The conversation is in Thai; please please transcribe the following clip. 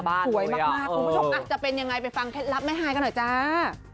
คุณผู้ชมอาจจะเป็นอย่างไรไปฟังเคล็ดลับแม่ฮายกันหน่อยจ้า